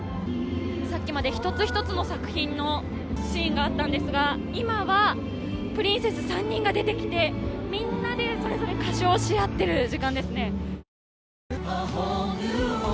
さっきまで一つ一つの作品のシーンがあったんですが今はプリンセス３人が出てきて、みんなで歌唱し合ってる時間ですね。